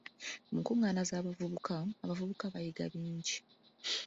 Mu nkungaana z'abavubuka, abavubuka bayiga bingi.